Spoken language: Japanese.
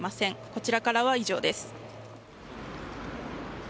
こちらからは以上です。